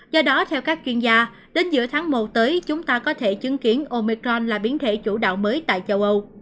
do đó theo các chuyên gia đến giữa tháng một tới chúng ta có thể chứng kiến omicron là biến thể chủ đạo